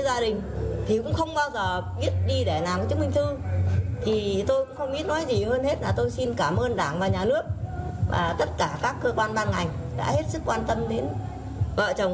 gia đình bà sáu rất xúc động